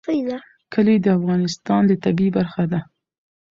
کلي د افغانستان د طبیعت برخه ده.